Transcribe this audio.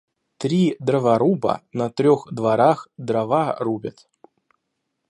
Три дроворуба на трех дворах дрова рубят.